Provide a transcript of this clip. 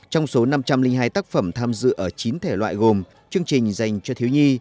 trong số năm trăm linh hai tác phẩm tham dự ở chín thể loại gồm chương trình dành cho thiếu nhi